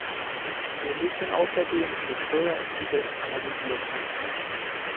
Mir müssen außerdem die Steuerinzidenz analysieren.